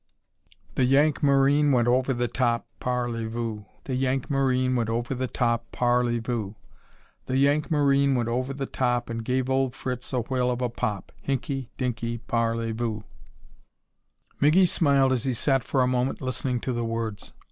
"The Yank Marine went over the top, Parlez Vous, The Yank Marine went over the top, Parlez Vous, The Yank Marine went over the top And gave old Fritz a whale of a pop, Hinkey Dinkey, Parlez Vous." McGee smiled as he sat for a moment listening to the words.